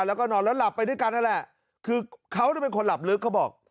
แล้วก็นอนแล้วหลับไปด้วยกันนั่นแหละคือเขาเป็นคนหลับลึกเขาบอก